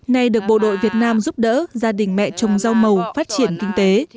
này được bộ đội việt nam giúp đỡ gia đình mẹ trồng rau màu phát triển kinh tế